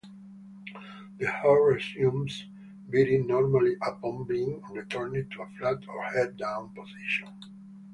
The heart resumes beating normally upon being returned to a flat or head-down position.